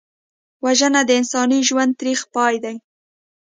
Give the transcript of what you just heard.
وژنه د انساني ژوند تریخ پای دی